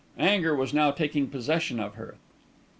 anger was now taking possession of her.